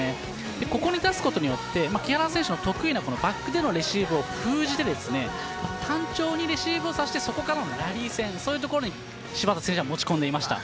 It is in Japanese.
ここに出すことで木原選手の得意なバックでのレシーブを封じて単調にレシーブをさせてそこからのラリー戦そこに芝田選手持ち込んでいました。